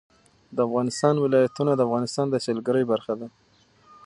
د افغانستان ولايتونه د افغانستان د سیلګرۍ برخه ده.